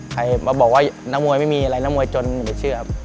ใครมาบอกว่านักมวยไม่มีอะไรนักมวยจนอย่าเชื่อครับ